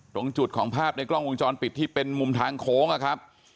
ตรงจุดของภาพในกล้องวงจรปิดที่เป็นมุมทางโค้งนะครับ